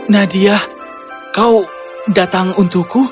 nadia kau datang untukku